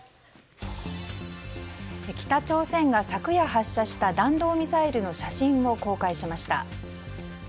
北朝鮮が昨夜発射した弾道ミサイルの写真を公開しました。